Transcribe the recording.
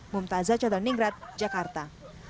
mumtazah chowdhary ningrat jakarta